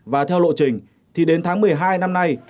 và theo lộ trình thì đến tháng một mươi hai năm nay